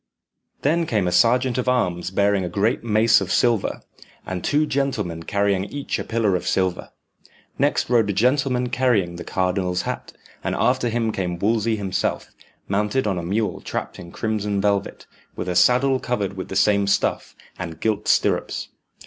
Then came a sergeant of arms bearing a great mace of silver, and two gentlemen carrying each a pillar of silver. Next rode a gentleman carrying the cardinal's hat, and after him came Wolsey himself, mounted on a mule trapped in crimson velvet, with a saddle covered with the same stuff, and gilt stirrups.